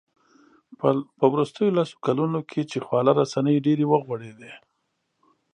په وروستیو لسو کلونو کې چې خواله رسنۍ ډېرې وغوړېدې